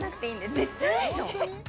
めっちゃいいじゃん！